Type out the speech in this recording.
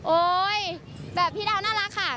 โอ๊ยแต่พี่ดาวน่ารักค่ะ